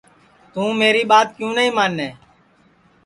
توں میری ٻات کیوں نائی مانے